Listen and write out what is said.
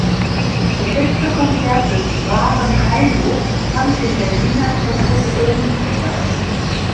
Das letzte Konzert des „wahren Heino“ fand im Berliner Tempodrom statt.